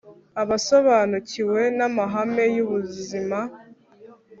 Abasobanukiwe namahame yubuzima